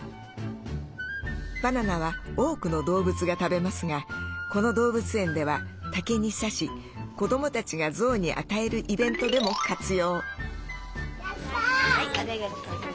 バナナは多くの動物が食べますがこの動物園では竹に刺し子どもたちがゾウに与えるイベントでも活用。